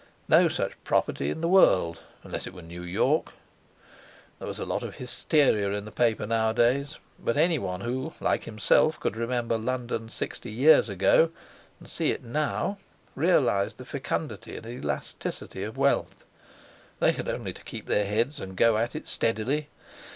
No such property in the world, unless it were New York! There was a lot of hysteria in the papers nowadays; but any one who, like himself, could remember London sixty years ago, and see it now, realised the fecundity and elasticity of wealth. They had only to keep their heads, and go at it steadily.